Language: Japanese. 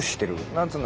何つうの？